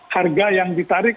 harga yang ditarik